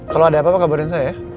kalau ada apa apa kabarin saya ya